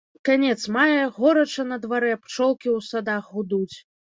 Канец мая, горача на дварэ, пчолкі ў садах гудуць.